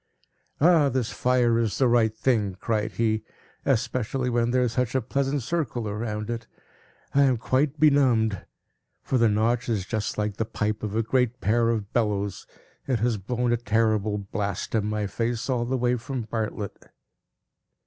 "Ah, this fire is the right thing!" cried he; "especially when there is such a pleasant circle round it. I am quite benumbed; for the Notch is just like the pipe of a great pair of bellows; it has blown a terrible blast in my face, all the way from Bartlett."